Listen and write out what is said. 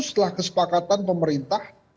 setelah kesepakatan pemerintah